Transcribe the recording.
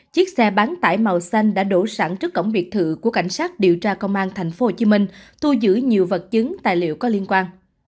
chiếc xe bán tải màu xanh đã đổ sẵn trước cổng biệt thự của cảnh sát điều tra công an tp hcm thu giữ nhiều vật chứng tài liệu có liên quan